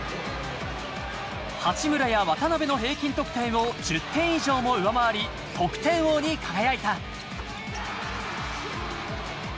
八村や渡邊の平均得点を１０点以上も上回り、得点王に輝いた。